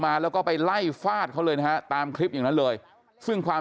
มาแล้วก็ไปไล่ฟาดเขาเลยนะฮะตามคลิปอย่างนั้นเลยซึ่งความ